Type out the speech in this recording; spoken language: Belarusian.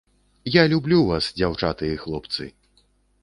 Я люблю вас, дзяўчаты і хлопцы.